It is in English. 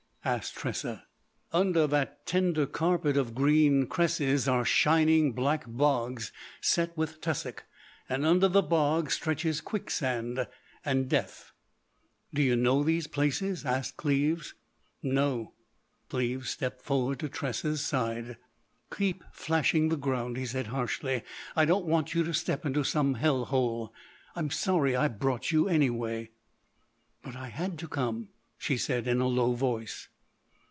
asked Tressa. "Under the tender carpet of green cresses are shining black bogs set with tussock; and under the bog stretches quicksand,—and death." "Do you know these places?" asked Cleves. "No." Cleves stepped forward to Tressa's side. "Keep flashing the ground," he said harshly. "I don't want you to step into some hell hole. I'm sorry I brought you, anyway." "But I had to come," she said in a low voice.